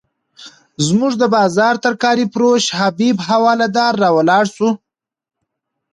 زموږ د بازار ترکاري فروش حبیب حوالدار راولاړ شو.